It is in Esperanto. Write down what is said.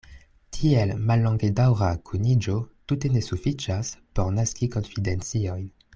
Tiel mallongedaŭra kuniĝo tute ne sufiĉas por naski konfidenciojn.